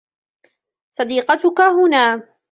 صديقتك هنا.